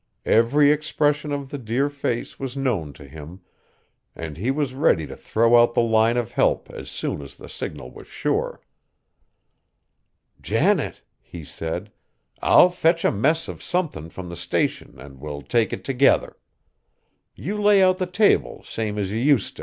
Every expression of the dear face was known to him, and he was ready to throw out the line of help as soon as the signal was sure. "Janet," he said, "I'll fetch a mess of somethin' from the Station an' we'll take it together. You lay out the table same as ye use t'.